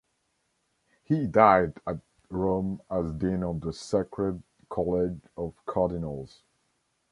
He died at Rome as Dean of the Sacred College of Cardinals.